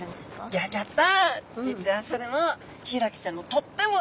ギョギョッ！